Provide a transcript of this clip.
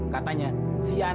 katanya siapa yang nelfon